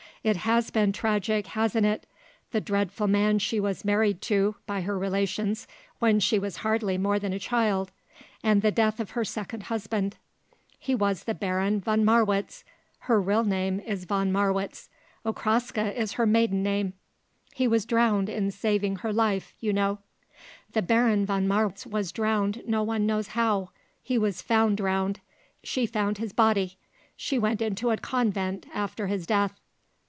"It has been tragic, hasn't it. The dreadful man she was married to by her relations when she was hardly more than a child, and the death of her second husband. He was the Baron von Marwitz; her real name is von Marwitz; Okraska is her maiden name. He was drowned in saving her life, you know." "The Baron von Marwitz was drowned no one knows how; he was found drowned; she found his body. She went into a convent after his death."